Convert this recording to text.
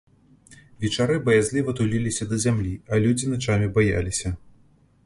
Вечары баязліва туліліся да зямлі, а людзі начамі баяліся.